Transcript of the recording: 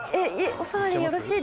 「お触りよろしいですか」